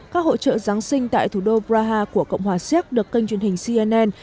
các hội trợ giáng sinh tại thủ đô praha của cộng hòa xéc được kênh truyền hình cnn